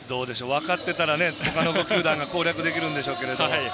分かってたら、他の５球団が攻略できるんでしょうけど。